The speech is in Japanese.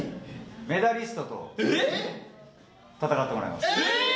メダリストと戦ってもらいまえー！